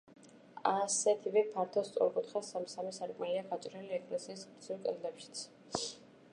ასეთივე ფართო სწორკუთხა სამ-სამი სარკმელია გაჭრილი ეკლესიის გრძივ კედლებშიც.